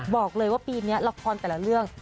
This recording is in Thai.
บอกเลยว่าปีนี้ละครแต่ละเรื่อง